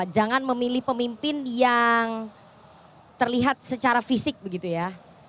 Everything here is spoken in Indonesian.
jangan memilih pemimpin yang terlihat secara fisik begitu ya